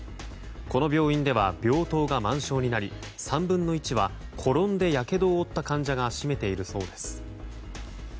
この病院では病棟が満床になり３分の１は転んでやけどを負った患者が占めているそうです。